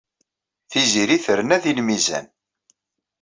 Tiziri terna deg lmizan.